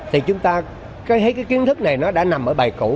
thì chúng ta thấy cái kiến thức này nó đã nằm ở bài cũ